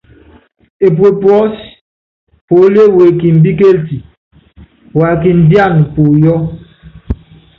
Epuépuɔ́sí, Púólíé wekimbíkéliti, wa kindíana púyɔ́.